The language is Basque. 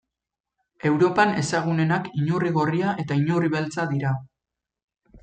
Europan ezagunenak inurri gorria eta inurri beltza dira.